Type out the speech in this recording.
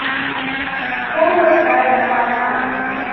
Hall was married five times.